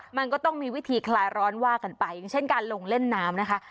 มันก็ต้องมีวิธีคลายร้อนว่ากันไปอย่างเช่นการลงเล่นน้ำนะคะ